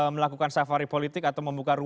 melakukan safari politik atau membuka ruang